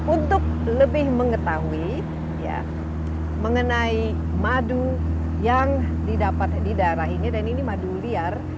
untuk lebih mengetahui mengenai madu yang didapat di daerah ini dan ini madu liar